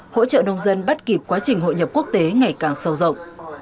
hỗ trợ nông dân bắt kịp quá trình hội nhập quốc tế ngày càng sâu rộng